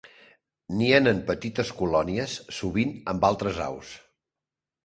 Nien en petites colònies, sovint amb altres aus.